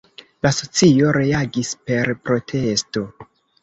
La socio reagis per protesto.